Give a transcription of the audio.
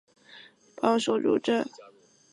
气急的泰迪找来了新帮手助阵。